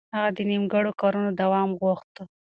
هغه د نيمګړو کارونو دوام غوښت.